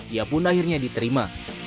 ia pun akhirnya diterima